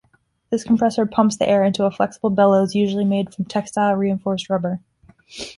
This compressor pumps the air into a flexible bellows, usually made from textile-reinforced rubber.